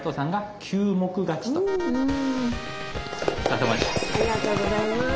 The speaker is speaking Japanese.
ありがとうございます。